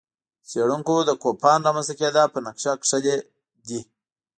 څېړونکو د کوپان رامنځته کېدا پر نقشه کښلي دي.